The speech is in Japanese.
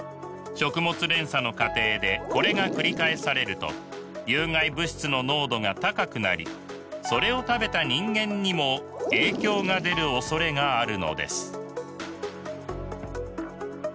食物連鎖の過程でこれが繰り返されると有害物質の濃度が高くなりそれを食べた人間にも影響が出るおそれがあるのです。